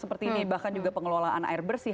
seperti ini bahkan juga pengelolaan air bersih